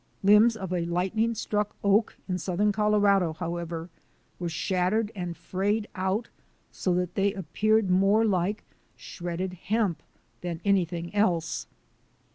Limbs of a lightning struck oak in southern Colorado, however, were shattered and frayed out so that they appeared more like shredded hemp than anything else.